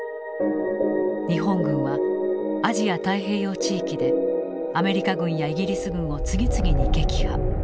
日本軍はアジア・太平洋地域でアメリカ軍やイギリス軍を次々に撃破。